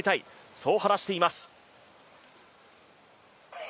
そう話しています。